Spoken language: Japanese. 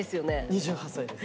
２８歳です。